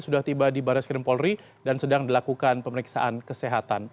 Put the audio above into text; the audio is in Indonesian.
sudah tiba di baris krim polri dan sedang dilakukan pemeriksaan kesehatan